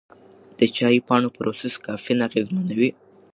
د چای پاڼو پروسس کافین اغېزمنوي.